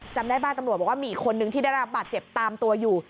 จำได้ป่ะตำรวจบอกว่ามีอีกคนนึงที่ได้รับบาดเจ็บตามตัวอยู่